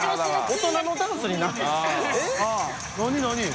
大人のダンスに ）